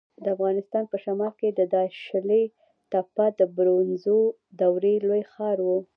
د افغانستان په شمال کې د داشلي تپه د برونزو دورې لوی ښار و